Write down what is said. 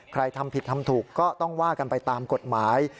ทำผิดทำถูกก็ต้องว่ากันไปตามกฎหมาย